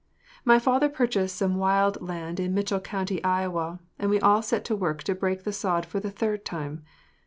My father purchased some wild land in Mitchell County, Iowa, and we all set to work to break the sod for the third time.